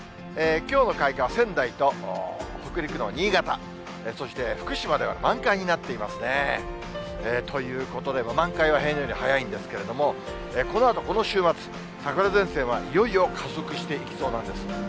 きょうの開花は仙台と北陸の新潟、そして福島では満開になっていますね。ということで、満開は平年より早いんですけど、このあとこの週末、桜前線はいよいよ加速していきそうなんです。